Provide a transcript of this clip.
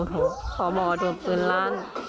หนูขอบอกว่าโดนปืนลั่น